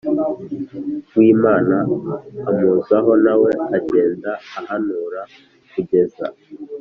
W imana amuzaho na we agenda ahanura kugeza